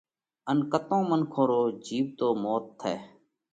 ان ڪتون منکون رو جيوتو موت ٿئھ۔